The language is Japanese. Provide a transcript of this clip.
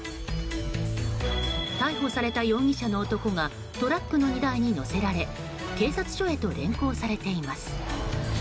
逮捕された容疑者の男がトラックの荷台に乗せられ警察所へと連行されています。